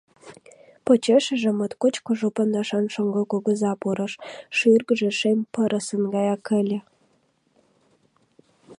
Почешыже моткоч кужу пондашан шоҥго кугыза пурыш, шӱргыжӧ шем пырысын гаяк ыле.